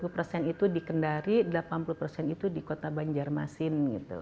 dua puluh persen itu di kendari delapan puluh persen itu di kota banjarmasin gitu